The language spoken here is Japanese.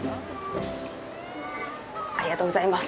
ありがとうございます。